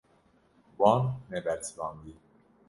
Wan nebersivandiye.